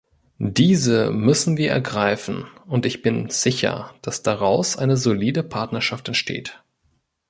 Diese müssen wir ergreifen, und ich bin sicher, dass daraus eine solide Partnerschaft entsteht.